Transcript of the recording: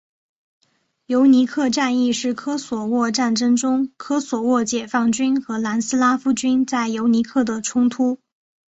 尤尼克战役是科索沃战争中科索沃解放军和南斯拉夫军在尤尼克的冲突。